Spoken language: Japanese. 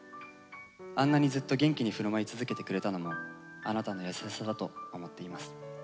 あんなにずっと元気に振る舞い続けてくれたのもあなたの優しさだと思っています。